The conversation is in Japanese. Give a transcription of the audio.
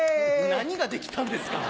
何ができたんですか！